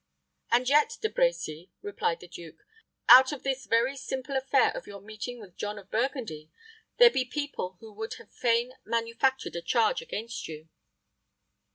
"And yet, De Brecy," replied the duke, "out of this very simple affair of your meeting with John of Burgundy, there be people who would have fain manufactured a charge against you."